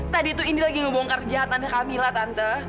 tadi tuh indi lagi ngebongkar kejahatannya kamila tante